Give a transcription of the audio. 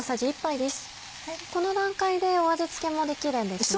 この段階で味付けもできるんですね。